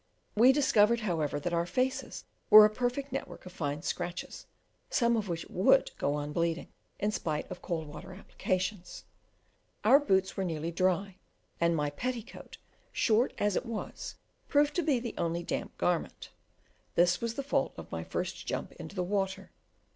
We discovered, however, that our faces were a perfect network of fine scratches, some of which would go on bleeding, in spite of cold water applications. Our boots were nearly dry; and my petticoat, short as it was, proved to be the only damp garment: this was the fault of my first jump into the water.